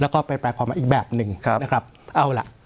แล้วก็ไปแปลความมาอีกแบบหนึ่งนะครับเอาล่ะ